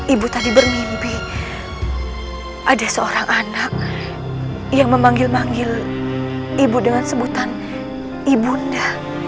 ibu tadi bermimpi ada seorang anak yang memanggil manggil ibu dengan sebutan ibunda